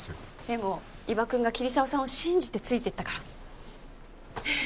でも伊庭くんが桐沢さんを信じてついていったから。